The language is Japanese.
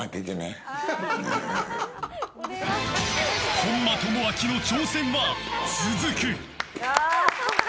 本間朋晃の挑戦は続く。